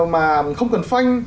mà không cần phanh